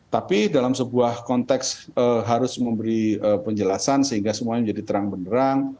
tapi dalam sebuah konteks harus memberi penjelasan sehingga semuanya menjadi terang benerang